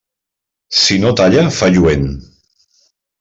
Si no talla, fa lluent.